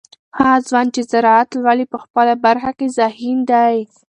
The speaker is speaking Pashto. هغه ځوان چې زراعت لولي په خپله برخه کې ذهین دی.